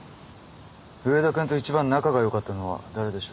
上田君と一番仲がよかったのは誰でしょうか？